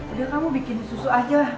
udah kamu bikin susu aja